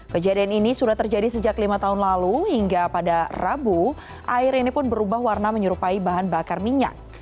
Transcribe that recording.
kejadian ini sudah terjadi sejak lima tahun lalu hingga pada rabu air ini pun berubah warna menyerupai bahan bakar minyak